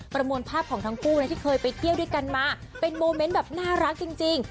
มวลภาพของทั้งคู่นะที่เคยไปเที่ยวด้วยกันมาเป็นโมเมนต์แบบน่ารักจริง